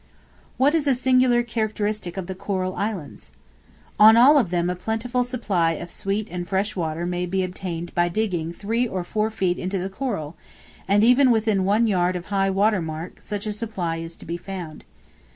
What is a singular characteristic of the Coral Islands? On all of them a plentiful supply of sweet and fresh water may be obtained by digging three or four feet into the coral; and even within one yard of high water mark such a supply is to be found.